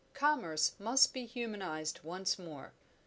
Commerce must be humanised once more.